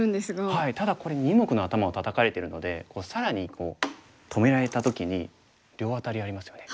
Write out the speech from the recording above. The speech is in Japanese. ただこれ二目の頭をタタかれてるので更に止められた時に両アタリありますよね。